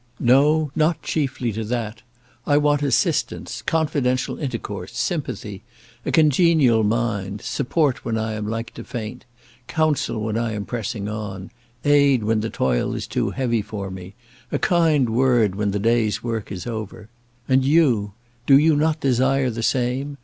"No; not chiefly to that. I want assistance, confidential intercourse, sympathy, a congenial mind, support when I am like to faint, counsel when I am pressing on, aid when the toil is too heavy for me, a kind word when the day's work is over. And you, do you not desire the same?